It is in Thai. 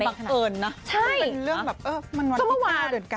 มักเอิญนะใช่มันเป็นเรื่องแบบเออมันวันที่๙เดือน๙อ่ะ